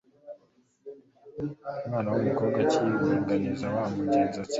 umwana w’umukobwa akayibuganiza wa mugenzanda,